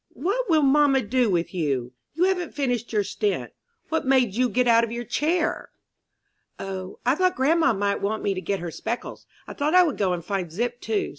"What will mamma do with you? You haven't finished your stint what made you get out of your chair?" "O, I thought grandma might want me to get her speckles. I thought I would go and find Zip too.